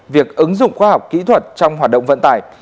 việc ứng dụng khoa học kỹ thuật trong hoạt động vận tải